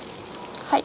はい。